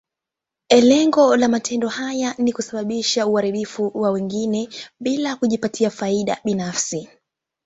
Lengo la matendo haya ni kusababisha uharibifu kwa wengine, bila kujipatia faida binafsi.